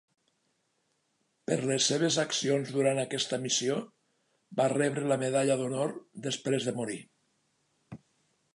Per les seves accions durant aquesta missió, va rebre la medalla d'honor després de morir.